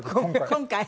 今回？